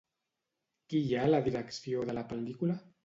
Qui hi ha a la direcció de la pel·lícula?